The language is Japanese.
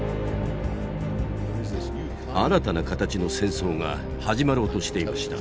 新たな形の戦争が始まろうとしていました。